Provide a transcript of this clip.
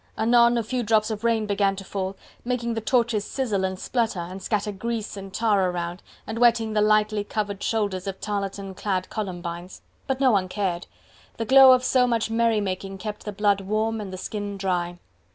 Anon a few drops of rain began to fall, making the torches sizzle and splutter, and scatter grease and tar around and wetting the lightly covered shoulders of tarlatan clad Columbines. But no one cared! The glow of so much merrymaking kept the blood warm and the skin dry.